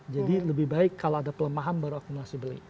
jadi lebih baik kalau ada pelemahan baru akumulasi beli